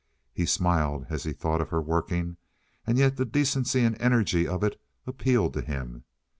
He smiled as he thought of her working, and yet the decency and energy of it appealed to him.